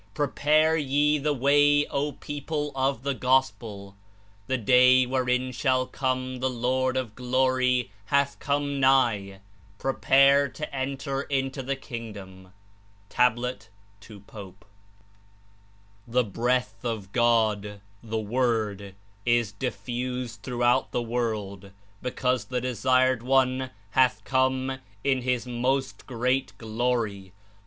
Prepare ye the way, O people of the Gospel ! The day wherein shall come the Lord of Glory hath come nigh; prepare to enter into the Kingdom.' " (Tab. to Pope) "The breath of God (The Word) is diffused throughout the world, because the Desired One hath come in His Most Great Glory.